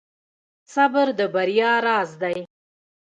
• صبر د بریا راز دی.